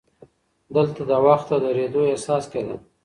دلته د وخت د درېدو احساس کېده.